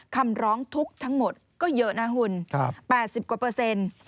คำร้องทุกข์ทั้งหมดก็เยอะนะคุณ๘๐กว่าเปอร์เซ็นต์